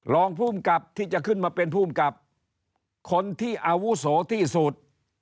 รองภูมิกับที่จะขึ้นมาเป็นภูมิกับคนที่อาวุโสที่สุด